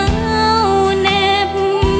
ใจเหนาเหน็บ